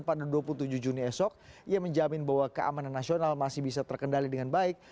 pada dua puluh tujuh juni esok ia menjamin bahwa keamanan nasional masih bisa terkendali dengan baik